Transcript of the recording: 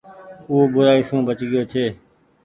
او بورآئي سون بچ گيو ڇي